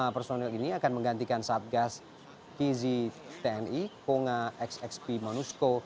satu ratus tujuh puluh lima personil ini akan menggantikan satgas kzi tni kongo xxq monusco